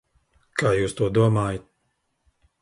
Kā jūs to domājat?